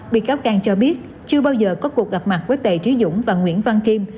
bị cáo cang cho biết chưa bao giờ có cuộc gặp mặt với tề trí dũng và nguyễn văn kim